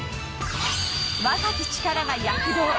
若き力が躍動。